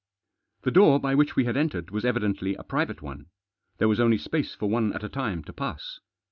The door by which we had entered was evidently a private one. There was only space for one at a time to pass.